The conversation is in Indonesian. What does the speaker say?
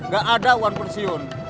gak ada uang pensiun